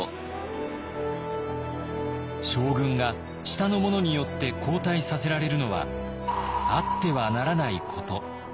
将軍が下の者によって交代させられるのはあってはならないこと。